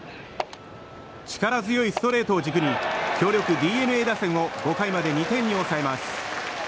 力強いストレートを軸に強力ＤｅＮＡ打線を５回まで２点に抑えます。